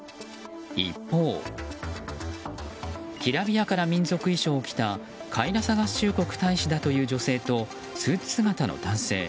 一方きらびやかな民族衣装を着たカイラサ合衆国大使だという女性と、スーツ姿の男性。